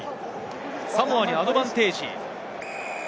サモアにアドバンテージ。